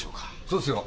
そうですよ。